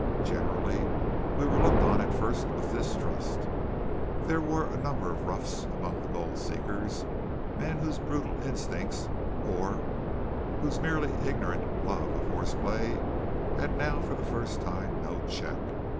Generally we were looked on at first with distrust. There were a number of roughs among the gold seekers; men whose brutal instincts or whose merely ignorant love of horseplay had now for the first time no check.